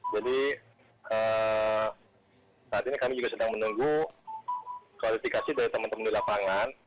jadi saat ini kami juga sedang menunggu kualifikasi dari teman teman di lapangan